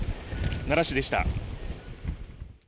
奈良市でした。